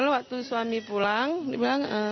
waktu suami pulang